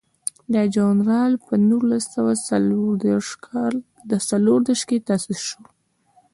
دا ژورنال په نولس سوه څلور دیرش کې تاسیس شو.